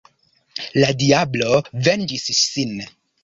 La diablo venĝis sin.